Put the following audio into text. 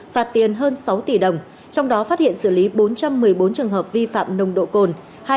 phạt tiền hơn sáu tỷ đồng trong đó phát hiện xử lý bốn trăm một mươi bốn trường hợp vi phạm nồng độ cồn